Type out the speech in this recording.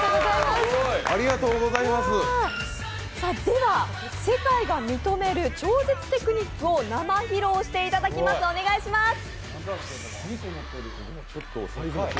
では、世界が認める超絶テクニックを生披露していただきます。